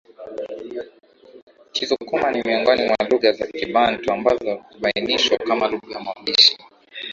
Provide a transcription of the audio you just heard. Kisukuma ni miongoni mwa lugha za Kibantu ambazo hubainishwa kama lugha mabishi